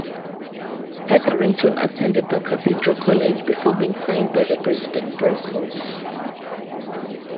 Hetherington attended The Cathedral College before being signed by the Brisbane Broncos.